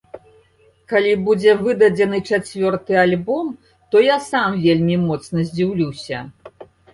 Калі будзе выдадзены чацвёрты альбом, то я сам вельмі моцна здзіўлюся.